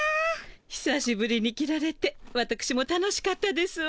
ひさしぶりに着られてわたくしも楽しかったですわ。